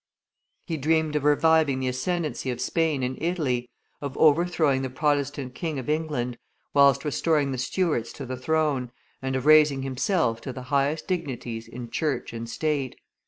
He dreamed of reviving the ascendency of Spain in Italy, of overthrowing the Protestant king of England, whilst restoring the Stuarts to the throne, and of raising himself to the highest dignities in Church and State.